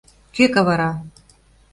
Кӧ кавара?